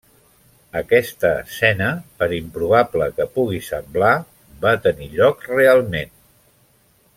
Aquesta escena, per improbable que pugui semblar, va tenir lloc realment.